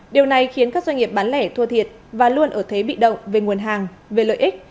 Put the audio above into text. điều này khiến các doanh nghiệp bán lẻ thua thiệt và luôn ở thế bị động về nguồn hàng về lợi ích